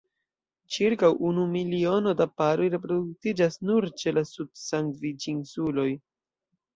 Ĉirkaŭ unu miliono da paroj reproduktiĝas nur ĉe la Sud-Sandviĉinsuloj.